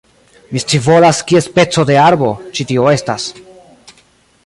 Mi scivolas, kia speco de arbo, ĉi tio estas